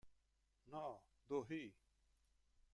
Noh Do-hee